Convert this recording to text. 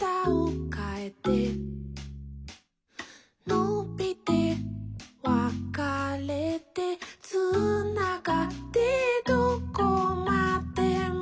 「のびてわかれて」「つながってどこまでも」